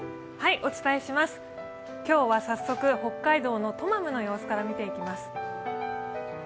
今日は早速、北海道のトマムの様子から見ていきます。